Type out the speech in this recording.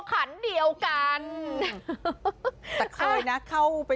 ใครออกแบบห้องน้ำวะ